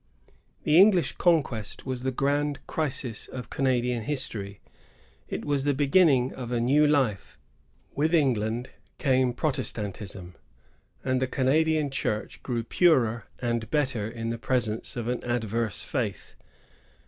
This EngUsh conquest was the grand crisis of Canadian history. It was the beginning of a new life. With England came Protestantism, and the 204 CANADIAN ABSOLUTISM. [1663 1763. Canadian Church grew purer and better in the presence of an adverse faith.